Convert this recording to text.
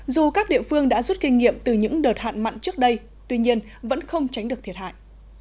dù các địa phương đã rút kinh nghiệm từ những đợt hạn mặn trước đây tuy nhiên vẫn không tránh được thiệt hại